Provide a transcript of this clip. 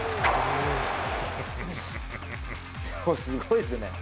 すごいっすね。